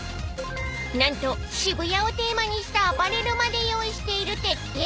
［何と渋谷をテーマにしたアパレルまで用意している徹底ぶり］